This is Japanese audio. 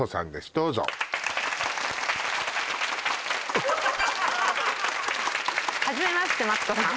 どうぞ初めましてマツコさん